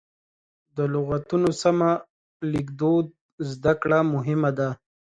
د لغتونو سمه لیکدود زده کړه مهمه ده.